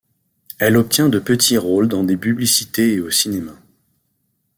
Elle obtient de petits rôles dans des publicités et au cinéma.